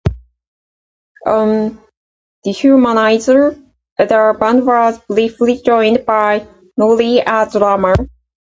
On "Dehumanizer" the band was briefly joined by Norri as drummer.